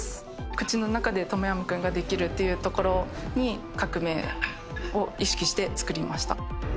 口の中でトムヤムクンができるというところに革命を意識して作りました